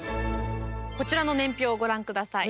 こちらの年表をご覧下さい。